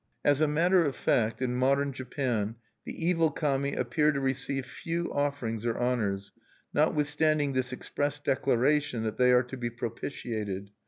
As a matter of fact, in modern Japan, the evil Kami appear to receive few offerings or honors, notwithstanding this express declaration that they are to be propitiated.